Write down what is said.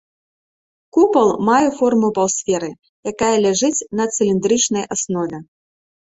Купал мае форму паўсферы, якая ляжыць на цыліндрычнай аснове.